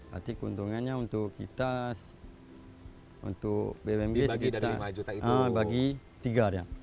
berarti keuntungannya untuk kita untuk bumg bagi tiga dia